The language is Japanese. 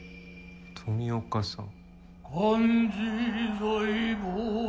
富岡さん。